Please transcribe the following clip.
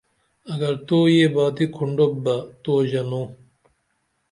اگر تو یہ باتی کُھنڈوپ بہ تو ژنو